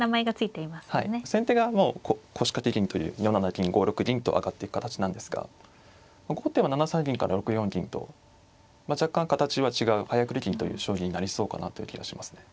先手がもう腰掛け銀という４七銀５六銀と上がっていく形なんですが後手は７三銀から６四銀とまあ若干形は違う早繰り銀という将棋になりそうかなという気がしますね。